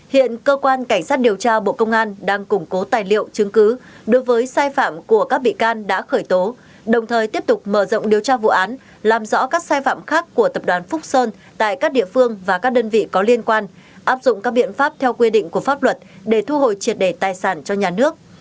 hiện cơ quan cảnh sát điều tra bộ công an đang củng cố tài liệu chứng cứ đối với sai phạm của các bị can đã khởi tố đồng thời tiếp tục mở rộng điều tra vụ án làm rõ các sai phạm khác của tập đoàn phúc sơn tại các địa phương và các đơn vị có liên quan áp dụng các biện pháp theo quy định của pháp luật để thu hồi triệt đề tài sản cho nhà nước